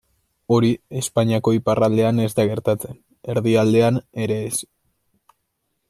Hori Espainiako iparraldean ez da gertatzen, erdialdean ere ez.